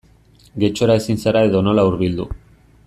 Getxora ezin zara edonola hurbildu.